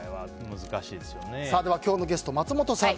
今日のゲスト松本さん